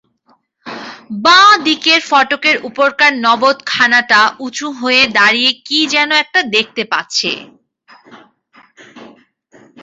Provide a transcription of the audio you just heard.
বাঁ দিকের ফটকের উপরকার নবতখানাটা উঁচু হয়ে দাঁড়িয়ে কী-যেন একটা দেখতে পাচ্ছে।